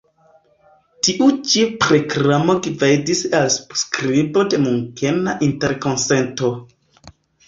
Tiu ĉi prklamo gvidis al subskribo de Munkena interkonsento.